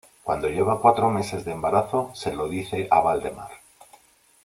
Cuando lleva cuatro meses de embarazo, se lo dice a Waldemar.